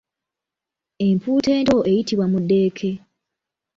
Empuuta ento eyitibwa Mudeeke.